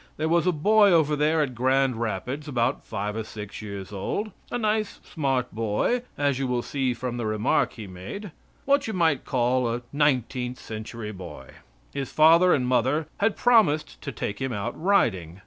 There was a boy over there at Grand Rapids about five or six years old, a nice, smart boy, as you will see from the remark he made what you might call a nineteenth century boy. His father and mother had promised to take him out riding.